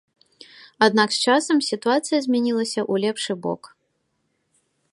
Аднак з часам сітуацыя змянілася ў лепшы бок.